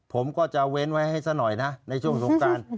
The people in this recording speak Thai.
ผมก็จะเว้นไว้ให้ซะหน่อยนะในช่วงสงการ